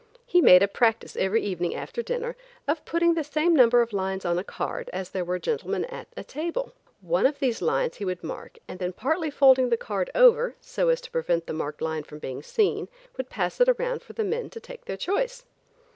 He made a practice every evening after dinner, of putting the same number of lines on a card as there were gentlemen at the table. One of these lines he would mark and then partly folding the card over so as to prevent the marked line from being seen. would pass it around for the men to take their choice.